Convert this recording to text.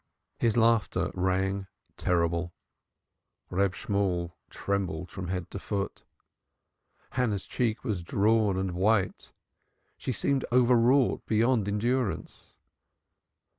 His laughter rang terrible. Reb Shemuel trembled from head to foot. Hannah's cheek was drawn and white. She seemed overwrought beyond endurance.